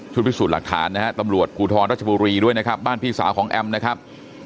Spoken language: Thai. พิสูจน์หลักฐานนะฮะตำรวจภูทรรัชบุรีด้วยนะครับบ้านพี่สาวของแอมนะครับ